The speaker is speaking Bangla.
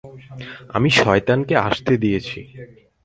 আমি শয়তানকে আসতে দিয়েছি।